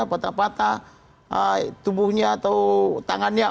patah patah tubuhnya atau tangannya